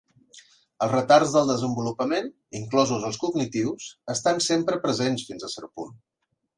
Els retards del desenvolupament, inclosos els cognitius, estan sempre presents fins a cert punt.